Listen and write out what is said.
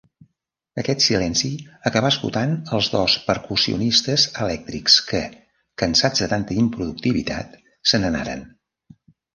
Aquest silenci acabà esgotant els dos percussionistes elèctrics que, cansats de tanta improductivitat, se n'anaren.